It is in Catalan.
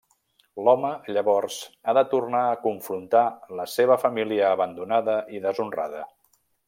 L'home llavors ha de tornar a confrontar la seva família abandonada i deshonrada.